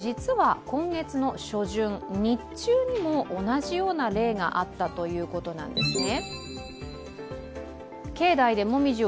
実は今月の初旬、日中にも同じような例があったということなんですね。